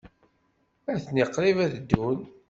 Atni qrib ad ddun.